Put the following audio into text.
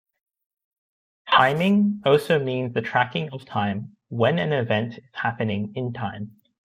"Timing" also means the tracking of time when an event is happening in time.